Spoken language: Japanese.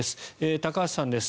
高橋さんです。